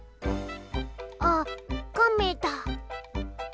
あっカメだ！